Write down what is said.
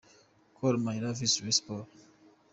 -: Gor Mahia vs Rayon Sport.